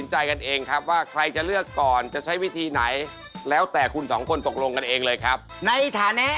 ไม่ต้องจ่ายเลือกก่อนเลยว่าจะเอาป้ายไหน